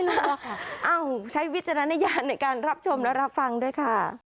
เอ้าใช้วิจารณญาณในการรับชมและรับฟังด้วยค่ะ